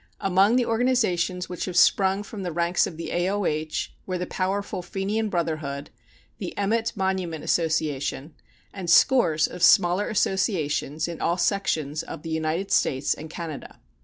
Among the organizations which have sprung from the ranks of the A.O.H. were the powerful Fenian Brotherhood, the Emmet Monument Association, and scores of smaller associations in all sections of the United States and Canada.